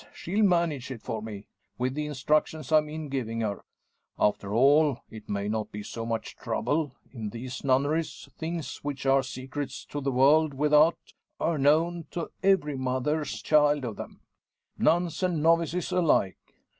She'll manage it for me, with the instructions I mean giving her. After all, it may not be so much trouble. In these nunneries, things which are secrets to the world without, are known to every mother's child of them nuns and novices alike.